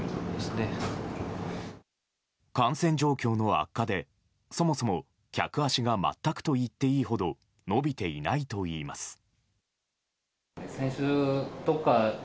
感染状況の悪化で、そもそも客足が全くといっていいほど伸びていないといいます。